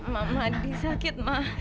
ma ma di sakit ma